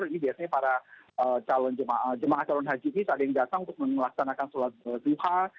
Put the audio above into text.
ini biasanya para jemaah calon haji ini ada yang datang untuk melaksanakan sholat duha